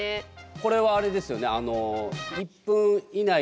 これはあれですよね